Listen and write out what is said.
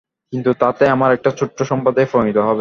কিন্তু তাতে আমরা একটা ছোট সম্প্রদায়ে পরিণত হব।